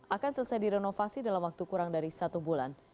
akan selesai direnovasi dalam waktu kurang dari satu bulan